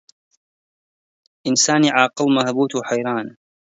ئینسانی عاقڵ مەبهووت و حەیران